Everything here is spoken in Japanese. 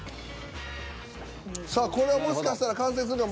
さあこれはもしかしたら完成するかも。